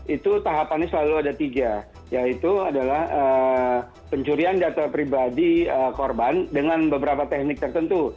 itu tahapannya selalu ada tiga yaitu adalah pencurian data pribadi korban dengan beberapa teknik tertentu